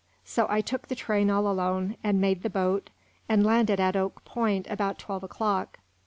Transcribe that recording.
So I took the train all alone, and made the boat, and landed at Oak Point about twelve o'clock.